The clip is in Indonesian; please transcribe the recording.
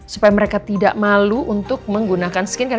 supaya mereka tidak malu untuk menggunakan skin care